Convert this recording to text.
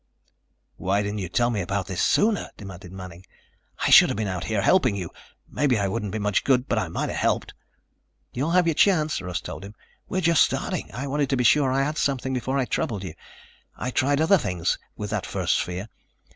"Why didn't you tell me about this sooner?" demanded Manning. "I should have been out here helping you. Maybe I wouldn't be much good, but I might have helped." "You'll have your chance," Russ told him. "We're just starting. I wanted to be sure I had something before I troubled you. I tried other things with that first sphere.